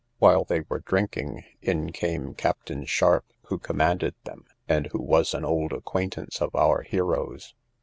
While they were drinking, in came Captain Sharp, who commanded them, and who was an old acquaintance of our hero's.